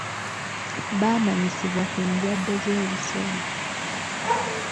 Baamanyisibwa ku ndwadde z'ebisolo.